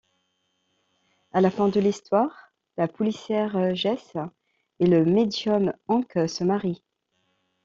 À la fin de l'histoire, la policière Jess et le medium Hank se marient.